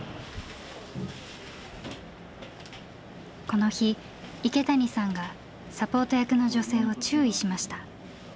この日池谷さんがサポート役の女性を注意しました。